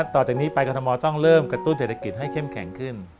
ต่อจากนี้ไปกรทมต้องเริ่มกระตุ้นเศรษฐกิจให้เข้มแข็งขึ้น